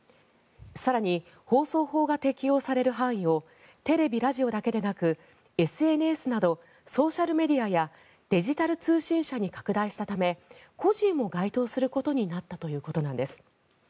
更に、放送法が適用される範囲をテレビ、ラジオだけでなくＳＮＳなどソーシャルメディアやデジタル通信社に拡大したため個人も該当することになったということなんです。